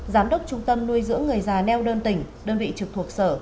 giám đốc trung tâm nuôi dưỡng người già neo đơn tỉnh đơn vị trực thuộc sở